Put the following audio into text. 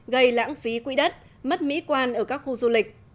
gây lãng phí quỹ đất mất mỹ quan ở các khu du lịch